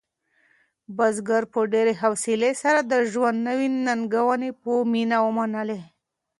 بزګر په ډېرې حوصلې سره د ژوند نوې ننګونې په مینه ومنلې.